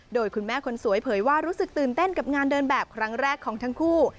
โดยคุณแม่คนสวยเผยว่ารู้สึกตื่นเต้นกับงานเดินแบบครั้งแรกของทั้งคู่